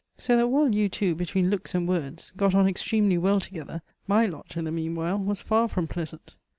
So that, while you two, between looks and words, got on extremely well together, my lot, in the meanwhile, was for from pleasant."